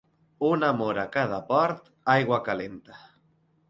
Un amor a cada port, aigua calenta.